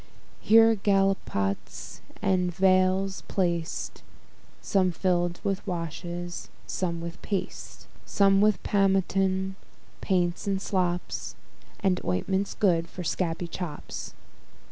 Here gallipots and vials placed, Some fill'd with washes, some with paste; Some with pomatums, paints, and slops, And ointments good for scabby chops.